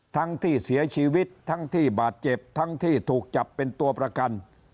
ทั้งที่เสียชีวิตทั้งที่บาดเจ็บทั้งที่ถูกจับเป็นตัวประกัน